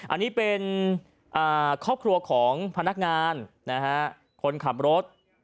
อันนี้เป็นครอบครัวของพนักงานคนขับรถ